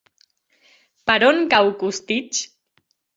Per on cau Costitx?